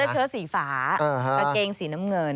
เสื้อเชื้อสีฝากางเกงสีน้ำเงิน